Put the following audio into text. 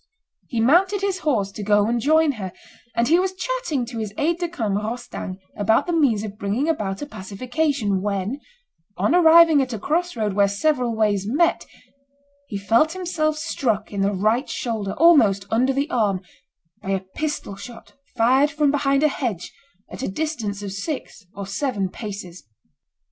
He mounted his horse to go and join her, and he was chatting to his aide de camp Rostaing about the means of bringing about a pacification, when, on arriving at a cross road where several ways met, he felt himself struck in the right shoulder, almost under the arm, by a pistol shot fired from behind a hedge at a distance of six or seven paces.